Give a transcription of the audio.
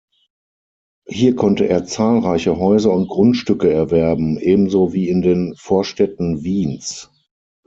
Hier konnte er zahlreiche Häuser und Grundstücke erwerben, ebenso wie in den Vorstädten Wiens.